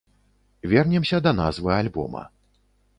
Вернемся да назвы альбома.